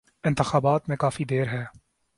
انتخابات میں کافی دیر ہے۔